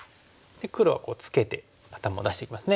黒はツケて頭を出していきますね。